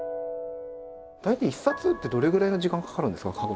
大体一冊ってどれぐらいの時間かかるんですか？